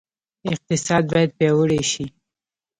اقتصاد باید پیاوړی شي